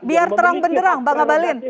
biar terang benderang bang abalin